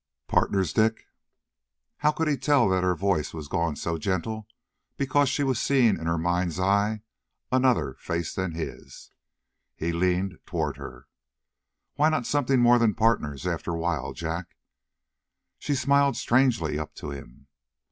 "Partners, Dick?" How could he tell that her voice was gone so gentle because she was seeing in her mind's eye another face than his? He leaned toward her. "Why not something more than partners, after a while, Jack?" She smiled strangely up to him.